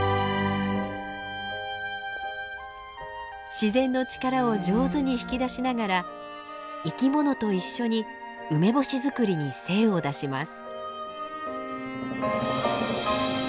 自然の力を上手に引き出しながら生き物と一緒に梅干し作りに精を出します。